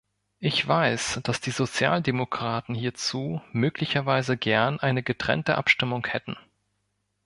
Ich weiß, dass die Sozialdemokraten hierzu möglicherweise gern eine getrennte Abstimmung hätten.